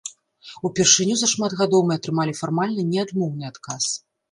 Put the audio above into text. Упершыню за шмат гадоў мы атрымалі фармальна не адмоўны адказ.